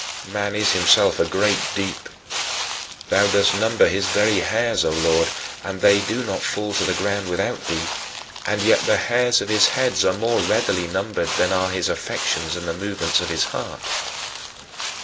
Man is himself a great deep. Thou dost number his very hairs, O Lord, and they do not fall to the ground without thee, and yet the hairs of his head are more readily numbered than are his affections and the movements of his heart.